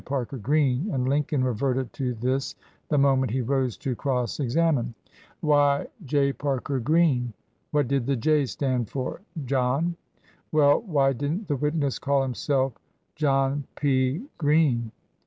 Parker Green, and Lincoln reverted to this the moment he rose to cross examine. Why J. Parker Green? ... What did the J. stand for? ... John? ... Well, why did nt the witness call himself John P. Green?